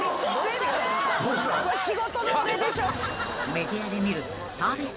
［メディアで見るサービス